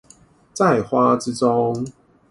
在花之中